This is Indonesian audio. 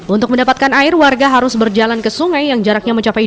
untuk mendapatkan air warga harus berjalan ke sungai yang jaraknya mencapai